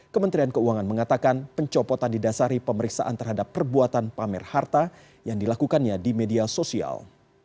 kementerian keuangan mengatakan pencopotan didasari pemeriksaan terhadap perbuatan pamer harta yang dilakukannya di media sosial